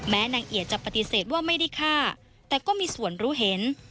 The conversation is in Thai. นางเอียดจะปฏิเสธว่าไม่ได้ฆ่าแต่ก็มีส่วนรู้เห็น